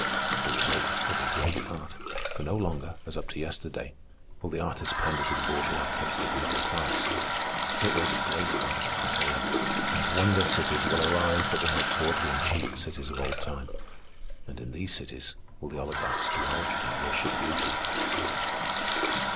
The result will be great art; for no longer, as up to yesterday, will the artists pander to the bourgeois taste of the middle class. It will be great art, I tell you, and wonder cities will arise that will make tawdry and cheap the cities of old time. And in these cities will the oligarchs dwell and worship beauty.